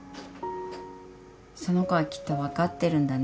その子はきっと分かってるんだね。